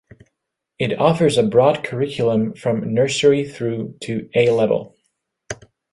It offers a broad curriculum from nursery through to A Level.